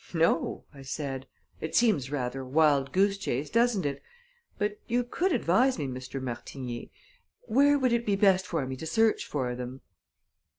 "No," I said. "It seems rather a wild goose chase, doesn't it? But you could advise me, Mr. Martigny. Where would it be best for me to search for them?"